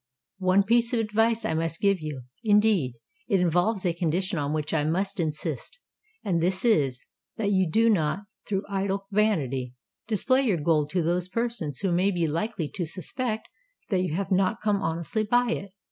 One piece of advice I must give you:—indeed, it involves a condition on which I must insist; and this is, that you do not, through idle vanity, display your gold to those persons who may be likely to suspect that you have not come honestly by it.